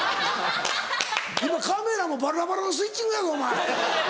今カメラもバラバラのスイッチングやぞお前。